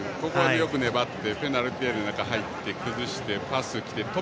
よく粘ってペナルティーエリアの中に入って崩して、パスして。